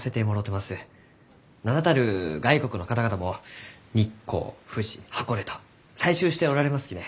名だたる外国の方々も日光富士箱根と採集しておられますきね。